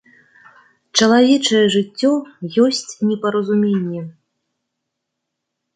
Чалавечае жыццё ёсць непаразуменне.